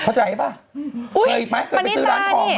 เข้าใจป่ะเคยไปซื้อร้านคองมั้ยโอ้โฮปานิตานี่